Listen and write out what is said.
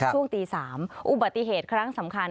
ช่วงตี๓อุบัติเหตุครั้งสำคัญ